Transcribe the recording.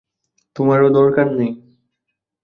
তোমারও দরকার নেই।